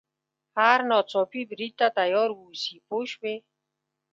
هر ناڅاپي برید ته تیار واوسي پوه شوې!.